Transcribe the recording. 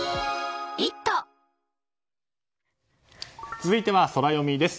続いてはソラよみです。